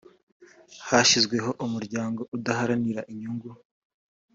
bashyizeho umuryango udaharanira inyungu